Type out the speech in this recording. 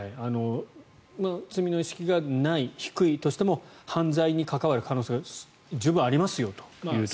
罪の意識がない低いとしても犯罪に関わる可能性が十分ありますよというところ。